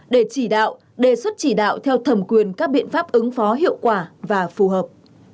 để chỉ đạo đề xuất chỉ đạo theo thẩm quyền các biện pháp ứng phó hiệu quả và phù hợp